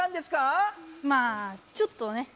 まあちょっとね。